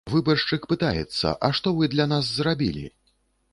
Выбаршчык пытаецца, а што вы для нас зрабілі?